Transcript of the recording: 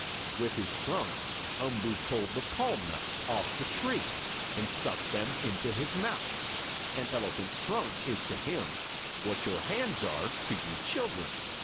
With his trunk Umboo pulled the palm nuts off the tree and stuffed them into his mouth. An elephant's trunk is to him what your hands are to you children.